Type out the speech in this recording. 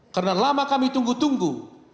karena lama kami tunggu tunggu